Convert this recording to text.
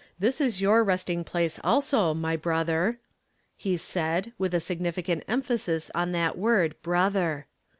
« This is your resting place also, my brother," he said, with a significant emphasis on that word " brother."